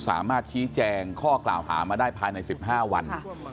สามารถชี้แจงข้อกล่าวหามาได้ภายใน๑๕วัน